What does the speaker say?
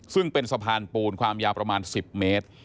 ซึ่งเป็นสะพานปูนความยาวประมาณ๑๐เมตร